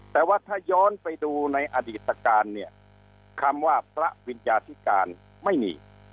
แต่ว่าถ้าย้อนไปดูในอดีตการเนี่ยคำว่าพระวิญญาธิการไม่มี